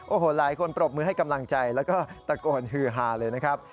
โอ้โหหลายคนปรบมือให้กำลังใจแล้วก็ตะโกนฮือฮาเลยนะครับ